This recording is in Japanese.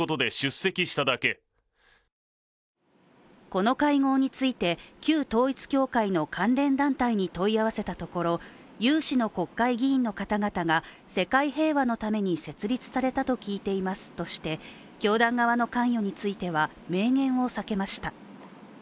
この会合について、旧統一教会の関連団体に問い合わせたところ有志の国会議員の方々が世界平和のために設立されたと聞いていますとして教団側の関与については明言を避けました。